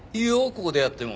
ここでやっても。